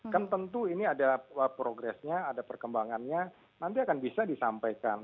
kan tentu ini ada progresnya ada perkembangannya nanti akan bisa disampaikan